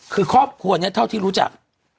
คือครอบครัวนี้เท่าที่รู้จัก